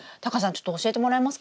ちょっと教えてもらえますか？